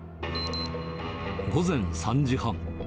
午前３時半。